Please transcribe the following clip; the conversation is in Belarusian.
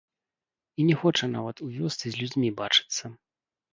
І не хоча нават у вёсцы з людзьмі бачыцца.